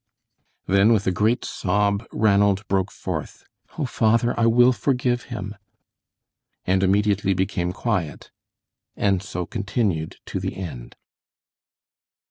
Then, with a great sob, Ranald broke forth: "Oh, father, I will forgive him," and immediately became quiet, and so continued to the end.